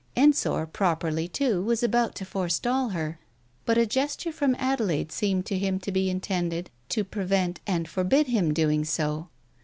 Ensor properly, too, was about to forestall her, but a gesture from Actelaide seemed to him to be intended to prevent and forbid him doing so.